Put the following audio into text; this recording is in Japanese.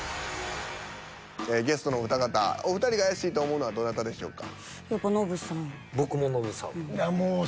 ゲストのお二方お二人が怪しいと思うのはどなたでしょうか？